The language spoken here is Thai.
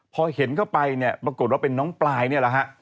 พอเห็นเข้าไปเนี่ยปรากฏว่าเป็นน้องปลายเนี่ยแหละฮะ